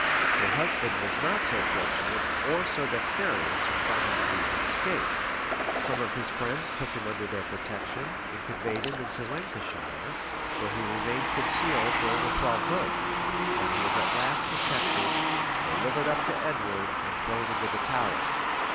Her husband was not so fortunate or so dexterous in finding the means of escape. Some of his friends took him under their protection, and conveyed him into Lancashire, where he remained concealed during a twelvemonth; but he was at last detected, delivered up to Edward, and thrown into the Tower.